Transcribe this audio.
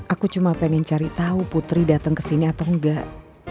aku cuma pengen cari tahu putri datang ke sini atau enggak